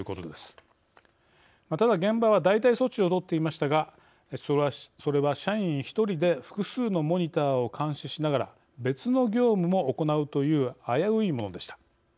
ただ現場は代替措置をとっていましたがそれは社員１人で複数のモニターを監視しながら別の業務も行うという危ういものでした。